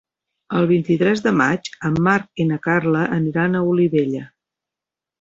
El vint-i-tres de maig en Marc i na Carla aniran a Olivella.